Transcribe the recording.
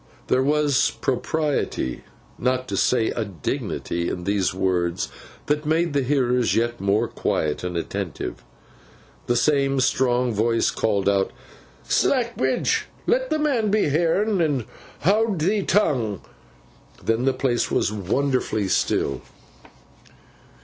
There was a propriety, not to say a dignity in these words, that made the hearers yet more quiet and attentive. The same strong voice called out, 'Slackbridge, let the man be heern, and howd thee tongue!' Then the place was wonderfully still.